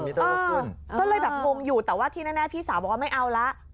ก็เลยแบบงงอยู่แต่ว่าที่แน่พี่สาวบอกว่าไม่เอาละ